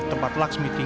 terima kasih bu